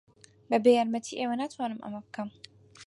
بەبێ یارمەتیی ئێوە ناتوانم ئەمە بکەم.